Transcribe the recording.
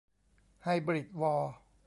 ไฮบริดวอร์